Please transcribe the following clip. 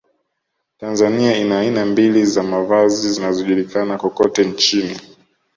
Tanzania ina aina mbili za mavazi zinazojulikana kokote nchini